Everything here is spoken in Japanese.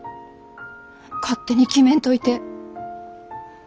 勝手に決めんといて。